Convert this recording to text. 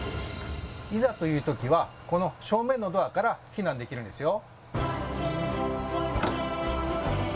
いざという時はこの正面のドアから避難できるんですよ。